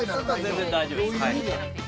◆全然大丈夫です。